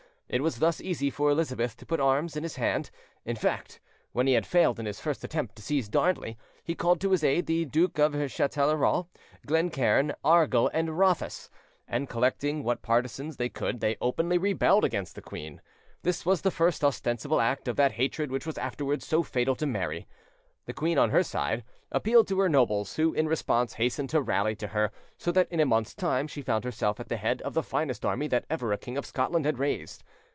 It was thus easy for Elizabeth to put arms in his hand. In fact, when he had failed in his first attempt to seize Darnley, he called to his aid the Duke of Chatellerault, Glencairn, Argyll, and Rothes, and collecting what partisans they could, they openly rebelled against the queen. This was the first ostensible act of that hatred which was afterwards so fatal to Mary. The queen, on her side, appealed to her nobles, who in response hastened to rally to her, so that in a month's time she found herself at the head of the finest army that ever a king of Scotland had raised.